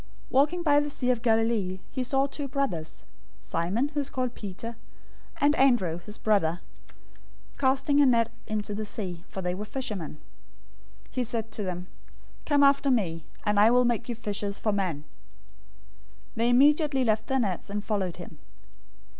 004:018 Walking by the sea of Galilee, he{TR reads "Jesus" instead of "he"} saw two brothers: Simon, who is called Peter, and Andrew, his brother, casting a net into the sea; for they were fishermen. 004:019 He said to them, "Come after me, and I will make you fishers for men." 004:020 They immediately left their nets and followed him.